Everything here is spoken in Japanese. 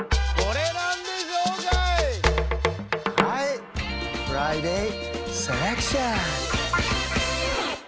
はい！